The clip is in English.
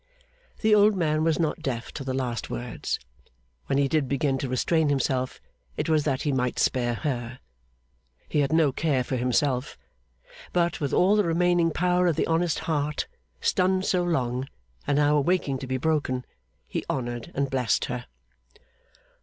The old man was not deaf to the last words. When he did begin to restrain himself, it was that he might spare her. He had no care for himself; but, with all the remaining power of the honest heart, stunned so long and now awaking to be broken, he honoured and blessed her.